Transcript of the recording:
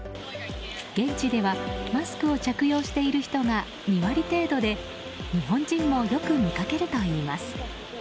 現地ではマスクを着用している人が２割程度で日本人もよく見かけるといいます。